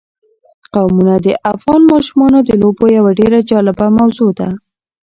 قومونه د افغان ماشومانو د لوبو یوه ډېره جالبه موضوع ده.